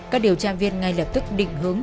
các điều tra viên ngay lập tức định hướng